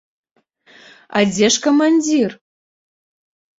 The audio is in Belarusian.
А дзе ж камандзір?